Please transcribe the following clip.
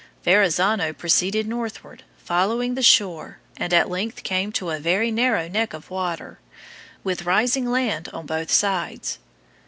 Verrazzano proceeded northward, following the shore, and at length came to a very narrow neck of water, with rising land on both sides.